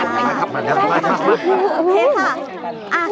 เฮ่ยค่ะ